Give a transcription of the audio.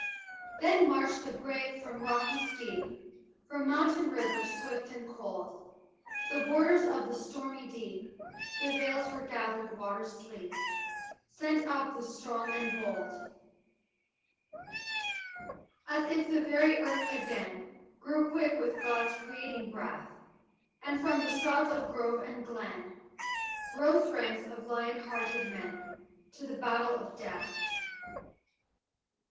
Then marched the brave from rocky steep, From mountain river swift and cold; The borders of the stormy deep, The vales where gathered waters sleep, Sent up the strong and bold, As if the very earth again Grew quick with God's creating breath, And, from the sods of grove and glen, Rose ranks of lion hearted men To battle to the death.